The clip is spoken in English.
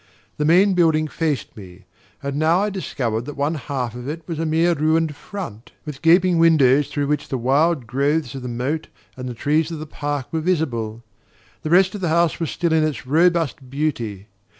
The main building faced me; and I now discovered that one half was a mere ruined front, with gaping windows through which the wild growths of the moat and the trees of the park were visible. The rest of the house was still in its robust beauty.